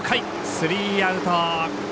スリーアウト。